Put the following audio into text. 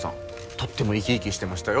とっても生き生きしてましたよ。